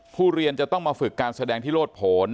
ผู้เรียนจะต้องมาฝึกการแสดงที่โลดผล